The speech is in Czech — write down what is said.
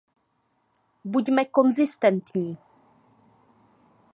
Buďme konzistentní.